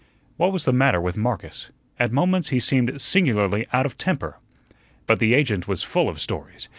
What was the matter with Marcus? At moments he seemed singularly out of temper. But the agent was full of stories.